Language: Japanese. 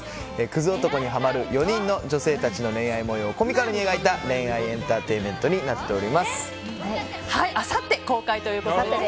クズ男にハマる４人の女性たちの恋愛模様をコミカルに描いた恋愛エンターテインメントにあさって公開ということです。